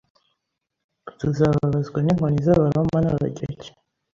Tuzababazwa ninkoni zAbaroma nAbagereki